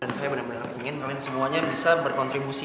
dan saya bener bener ingin kalian semuanya bisa berkontribusi ya